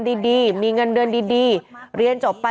ก็เป็นสถานที่ตั้งมาเพลงกุศลศพให้กับน้องหยอดนะคะ